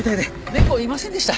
猫いませんでした。